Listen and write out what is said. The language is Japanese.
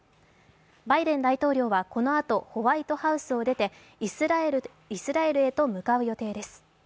バイデン大統領はこのあとホワイトハウスを出てイスラエルへと向かう予定です。